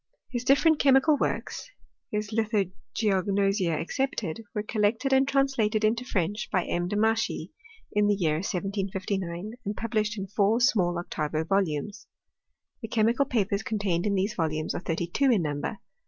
His different chemical works (his Lithogeognosia ex cepted) were collected and translated into French by M. Demachy, in the year 1759, and published in four small octavo volumes. The chemical papers contained in these volumes are thirty two in number.